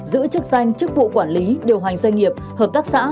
giữ chức danh chức vụ quản lý điều hành doanh nghiệp hợp tác xã